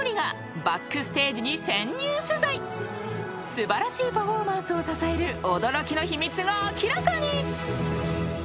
［素晴らしいパフォーマンスを支える驚きの秘密が明らかに］